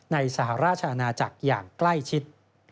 สหราชอาณาจักรอย่างใกล้ชิด